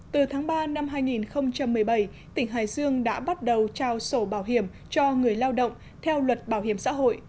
từ tháng ba năm hai nghìn một mươi bảy tỉnh hải dương đã bắt đầu trao sổ bảo hiểm cho người lao động theo luật bảo hiểm xã hội